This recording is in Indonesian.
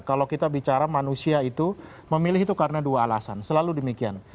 kalau kita bicara manusia itu memilih itu karena dua alasan selalu demikian